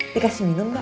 dikasih minum mbak